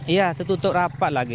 ya tertutup rapat lagi